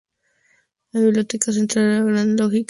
La Biblioteca Central de la Gran Logia lleva su nombre.